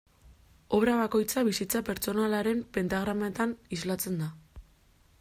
Obra bakoitza bizitza pertsonalaren pentagrametan islatzen da.